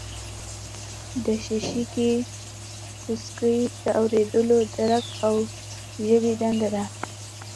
د شقیقې پیڅکی د اوریدلو درک او ژبې دنده لري